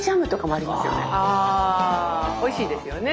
ああおいしいですよね。